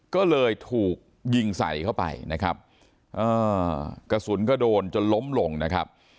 ก็เลยถูกยิงใส่เข้าไปนะครับกระสุนก็โดนจนล้มลงนะครับ